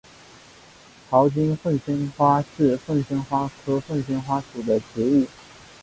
槽茎凤仙花是凤仙花科凤仙花属的植物。